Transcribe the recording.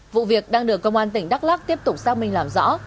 vụ việc đang được công an tỉnh đắk lắc tiếp tục xác minh làm rõ